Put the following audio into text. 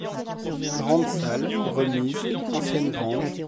Grande salle, remise, ancienne grange.